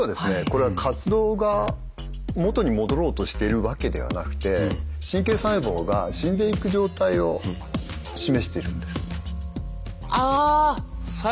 これは活動が元に戻ろうとしてるわけではなくて神経細胞が死んでいく状態を示しているんです。